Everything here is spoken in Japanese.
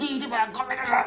ごめんなさい！